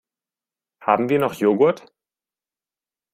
Haben wir noch Joghurt?